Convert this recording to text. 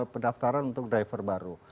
pendaftaran untuk driver baru